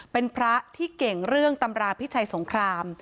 เป็นพระที่เก่งเรื่องตำราพิชัยสงคราม